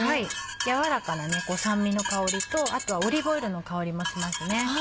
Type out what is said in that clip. やわらかな酸味の香りとあとはオリーブオイルの香りもしますね。